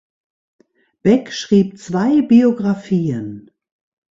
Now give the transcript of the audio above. Beck schrieb zwei Biographien.